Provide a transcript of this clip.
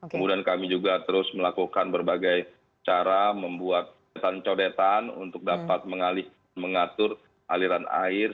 kemudian kami juga terus melakukan berbagai cara membuat ketan codetan untuk dapat mengatur aliran air